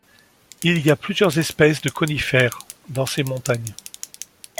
Il y a plusieurs espèces de conifères dans ces montagnes.